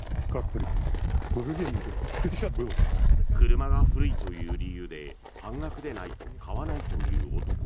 車が古いという理由で半額でないと買わないという男。